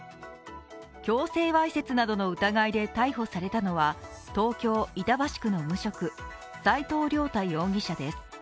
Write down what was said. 強制わいせつなどの疑いで逮捕されたのは、東京・板橋区の無職、斉藤涼太容疑者です。